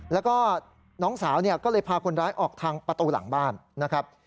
แล้วก็น้องสาวเนี่ยก็เลยพาคนร้ายออกทางประตูหลังบ้านนะครับ